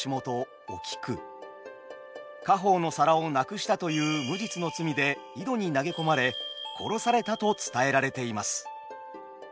家宝の皿をなくしたという無実の罪で井戸に投げ込まれ殺されたと伝えられています。